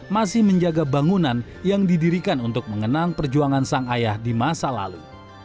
masih menjaga bangunan yang didirikan untuk mengenang perjuangan sang ayah di masa lalu